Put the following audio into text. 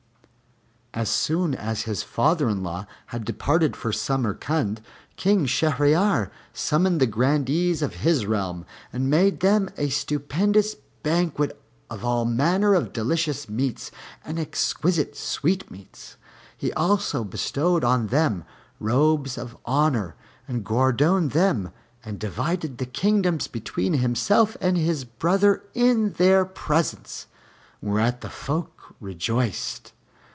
As soon as his father in law had departed for Samarcand, King Shahryar summoned the Grandees of his realm and made them a stupendous banquet of all manner of delicious meats and exquisite sweetmeats. He also bestowed on them robes of honor and guerdoned them, and divided the kingdoms between himself and his brother in their presence, whereat the folk rejoiced.